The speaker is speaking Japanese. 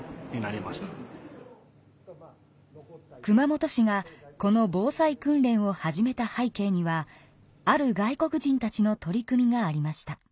熊本市がこの防災訓練を始めたはい景にはある外国人たちの取り組みがありました。